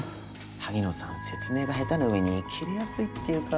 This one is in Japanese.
萩野さん説明が下手な上にキレやすいっていうか。